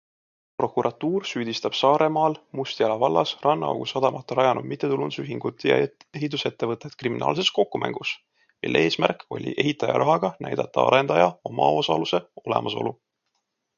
Prokuratuur süüdistab Saaremaal Mustjala vallas Rannaaugu sadamat rajanud mittetulundusühingut ja ehitusettevõtet kriminaalses kokkumängus, mille eesmärk oli ehitaja rahaga näidata arendaja omaosaluse olemasolu.